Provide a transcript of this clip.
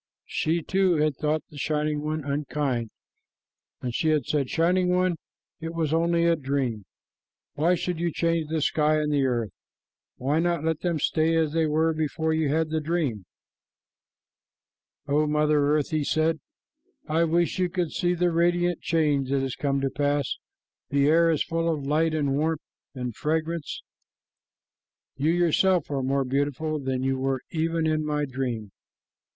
She, too, had thought the Shining One unkind, and she had said, "Shining One, it was only a dream. Why should you change the sky and the earth? Why not let them stay as they were before you had the dream?" "O Mother Earth," he said, "I wish you could see the radiant change that has come to pass. The air is full of light and warmth and fragrance. You yourself are more beautiful than you were even in my dream.